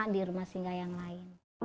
untuk kebutuhan orang carly